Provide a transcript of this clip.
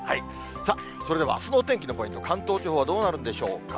さあ、それではあすのお天気のポイント、関東地方はどうなるんでしょうか。